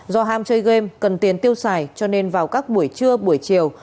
do ham chơi game cần tiền tiêu xài cho nên vào các buổi trưa buổi chiều